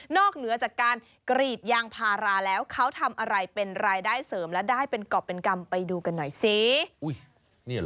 เหนือจากการกรีดยางพาราแล้วเขาทำอะไรเป็นรายได้เสริมและได้เป็นกรอบเป็นกรรมไปดูกันหน่อยสิ